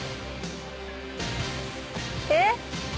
「えっ？」